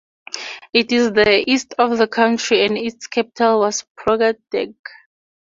It is in the east of the country, and its capital was Pogradec.